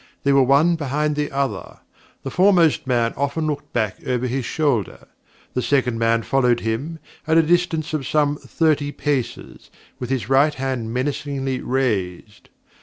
They were one behind the other. The foremost man often looked back over his shoulder. The second man followed him, at a distance of some thirty paces, with his right hand menacingly raised.